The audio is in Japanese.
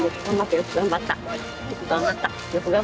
よく頑張ったよ。